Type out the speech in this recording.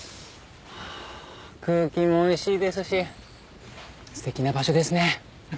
空気もおいしいですしすてきな場所ですね。